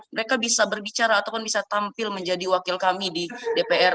mereka bisa berbicara ataupun bisa tampil menjadi wakil kami di dpr